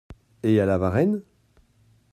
Et à La Varenne ?